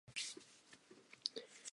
Re ne re natefetswe haholo lewatleng.